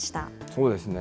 そうですね。